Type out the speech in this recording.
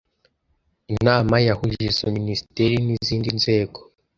inama yahuje izo minisiteri n’izindi nzego